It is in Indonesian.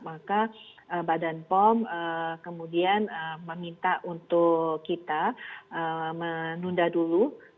maka badan pom kemudian meminta untuk kita menunda dulu